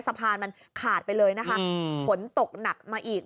สะพานมันขาดไปเลยนะคะฝนตกหนักมาอีก